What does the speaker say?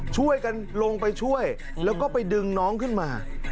ช่วยกันลงไปช่วยแล้วก็ไปดึงน้องขึ้นมา